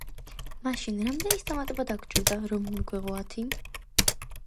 მაშინ, რამდენის დამატება დაგვჭირდა, რომ მიგვეღო ათი?